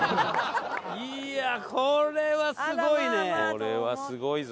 これはすごいね！